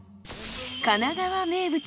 神奈川名物